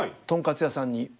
トンカツ屋さんに。